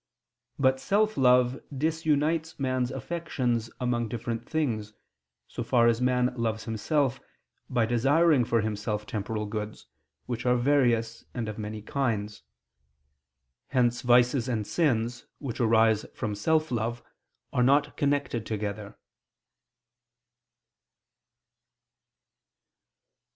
But self love disunites man's affections among different things, in so far as man loves himself, by desiring for himself temporal goods, which are various and of many kinds: hence vices and sins, which arise from self love, are not connected together.